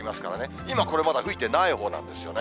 今、これまだ吹いてないほうなんですよね。